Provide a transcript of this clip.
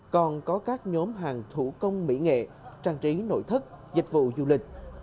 còn có các nhóm hàng thủ công mỹ nghệ trang trí nội thất dịch vụ du lịch